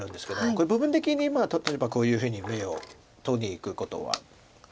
これ部分的に例えばこういうふうに眼を取りにいくことは。